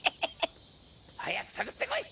早く探ってこい。